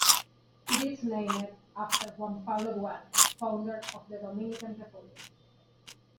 It is named after Juan Pablo Duarte, founder of the Dominican Republic.